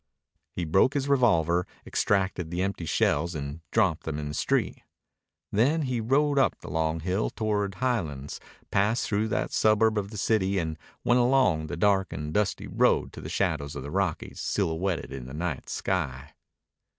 He broke his revolver, extracted the empty shells, and dropped them to the street. Then he rode up the long hill toward Highlands, passed through that suburb of the city, and went along the dark and dusty road to the shadows of the Rockies silhouetted in the night sky.